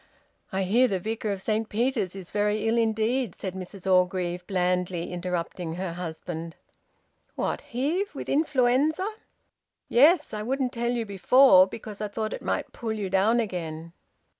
"I hear the Vicar of Saint Peter's is very ill indeed," said Mrs Orgreave, blandly interrupting her husband. "What? Heve? With influenza?" "Yes. I wouldn't tell you before because I thought it might pull you down again."